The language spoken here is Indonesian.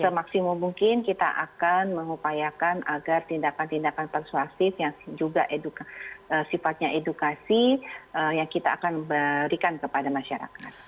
semaksimum mungkin kita akan mengupayakan agar tindakan tindakan persuasif yang juga sifatnya edukasi yang kita akan berikan kepada masyarakat